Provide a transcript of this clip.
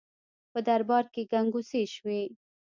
په دربار کې ګنګوسې شوې.